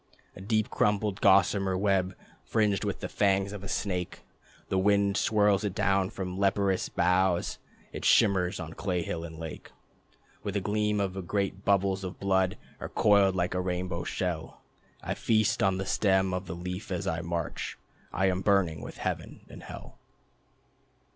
A deep crumpled gossamer web, Fringed with the fangs of a snake. The wind swirls it down from the leperous boughs. It shimmers on clay hill and lake, With the gleam of great bubbles of blood, Or coiled like a rainbow shell.... I feast on the stem of the Leaf as I march. I am burning with Heaven and Hell.